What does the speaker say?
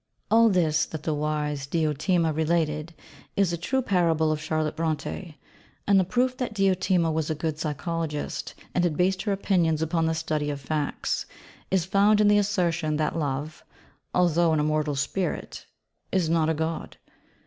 _ All this, that the wise Diotima related, is a true parable of Charlotte Brontë. And the proof that Diotima was a good psychologist, and had based her opinions upon the study of facts, is found in the assertion that Love, although an immortal spirit, is not a god.